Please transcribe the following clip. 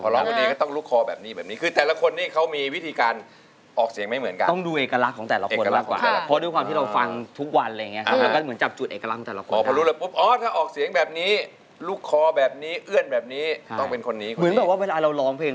ร้องนะครับมูลค่าหนึ่งหมื่นบาทนะครับคุณเต้ร้อง